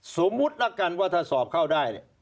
สมมุติละกันว่าถ้าสอบเข้าได้